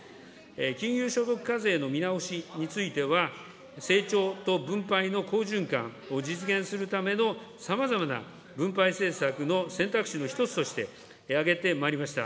金融所得課税の見直しについては、成長と分配の好循環を実現するためのさまざまな分配政策の選択肢の一つとして挙げてまいりました。